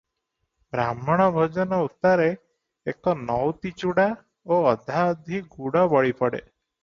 ବାହ୍ମଣ ଭୋଜନ ଉତ୍ତାରେ ଏକ ନଉତି ଚୂଡ଼ା ଓ ଅଧାଅଧି ଗୁଡ଼ ବଳି ପଡ଼େ